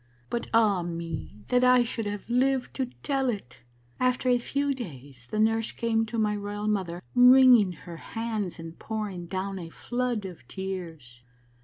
" But. ah me, that I should have lived to tell it ! after a few days the nurse came to my royal mother wringing her hands and pouring down a flood of tears.